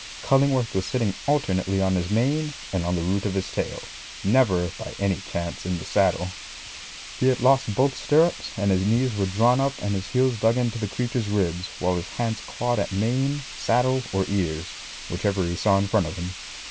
Cullingworth was sitting alternately on his mane and on the root of his tail never by any chance in the saddle he had lost both stirrups, and his knees were drawn up and his heels dug into the creature's ribs, while his hands clawed at mane, saddle, or ears, whichever he saw in front of him.